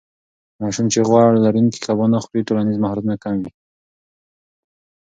ماشومان چې غوړ لرونکي کبان نه خوري، ټولنیز مهارتونه کم وي.